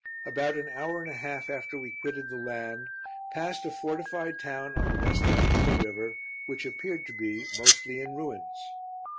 About an hour and a half after we quitted the land, passed a fortified town on the west bank of the river, which appeared to be mostly in ruins.